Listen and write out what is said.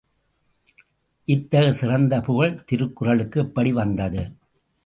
இத்தகு சிறந்த புகழ் திருக்குறளுக்கு எப்படி வந்தது?